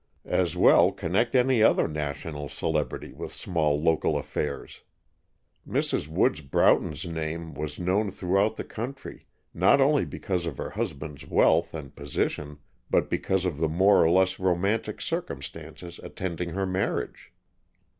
As well connect any other national celebrity with small local affairs. Mrs. Woods Broughton's name was known throughout the country, not only because of her husband's wealth and position, but because of the more or less romantic circumstances attending her marriage.